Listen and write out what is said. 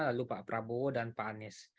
lalu pak prabowo dan pak anies